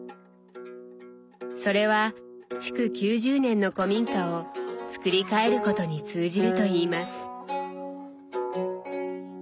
それは築９０年の古民家を作り替えることに通じるといいます。